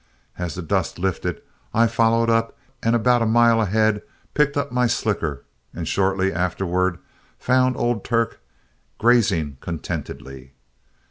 As the dust lifted, I followed up, and about a mile ahead picked up my slicker, and shortly afterward found old Turk, grazing contentedly.